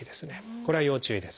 これは要注意です。